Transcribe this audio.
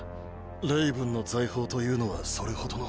レイブンの財宝というのはそれほどの。